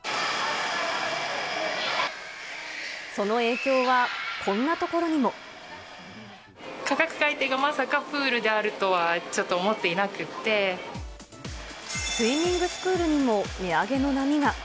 その影響は、こんなところにも。価格改定がまさかプールであスイミングスクールにも値上げの波が。